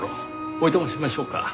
おいとましましょうか。